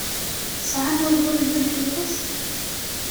Sɛan uguren deg yiḍes?